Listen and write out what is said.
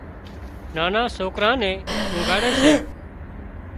نانان سوڪران نين اونگھاڙي سي